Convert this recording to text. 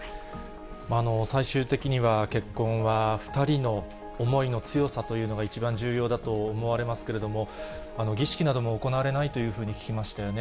最終的には、結婚は２人の思いの強さというのが一番重要だと思われますけれども、儀式なども行われないというふうに聞きましたよね。